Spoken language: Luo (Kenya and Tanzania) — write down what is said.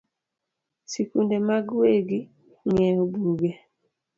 Sikunde mag wegi ng’iewo buge